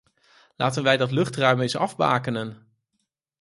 Laten wij dat luchtruim eens afbakenen!